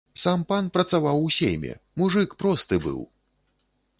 Сам пан працаваў у сейме, мужык просты быў!